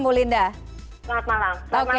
selamat malam selamat malam pak joni